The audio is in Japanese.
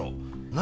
何？